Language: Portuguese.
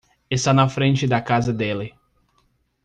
Está na frente da casa dele.